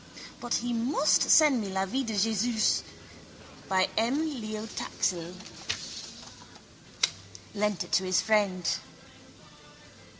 But he must send me La Vie de Jésus by M. Léo Taxil. Lent it to his friend.